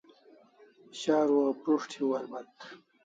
Sharu o prus't hiu albat